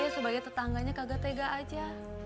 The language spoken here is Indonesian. ya ayo sebagai tetangganya kagetega aja